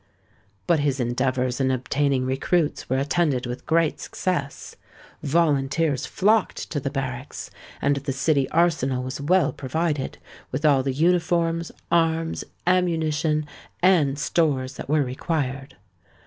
But his endeavours in obtaining recruits were attended with great success. Volunteers flocked to the barracks; and the city arsenal was well provided with all the uniforms, arms, ammunition, and stores that were required.